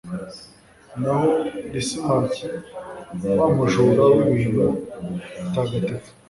naho lisimaki, wa mujura w'ibintu bitagatifu